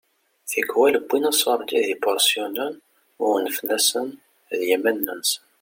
Tikwal wwin aṣurdi d ipuṛsyunen u unfen-asen d yiman-nsen.